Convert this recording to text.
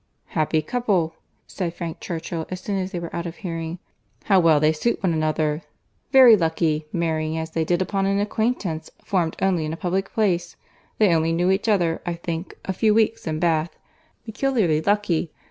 "Happy couple!" said Frank Churchill, as soon as they were out of hearing:—"How well they suit one another!—Very lucky—marrying as they did, upon an acquaintance formed only in a public place!—They only knew each other, I think, a few weeks in Bath! Peculiarly lucky!